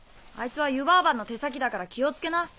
あいつは湯婆婆の手先だから気をつけな。